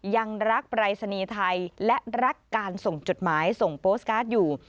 ยังรักปรายศนีย์ไทยและรักการส่งจดหมายส่งโปสตการ์ดอยู่